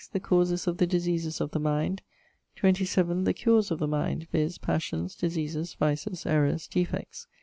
The Causes of the Diseases of the Mind. 27. The Cures of the Mind, vizᵗ. Passions, Diseases, Vices, Errours, Defects.